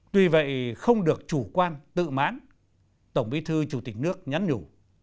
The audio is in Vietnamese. tuy vậy không được chủ quan tự mãn tổng bí thư chủ tịch nước nhắn nhủ